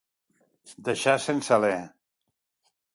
Deixar sense alè.